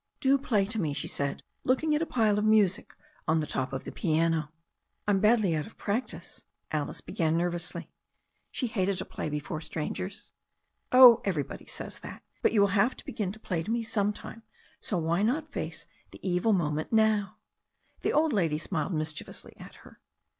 "Do play to me," she said, looking at a pile of music on the top of the piano. "I'm badly out of practice," Alice began nervously. She hated to play before strangers. "Ob everybody says that. But you will have to begin to play to «e some time, so why not face the evil moment now?" The old lady smiled mischievously at her.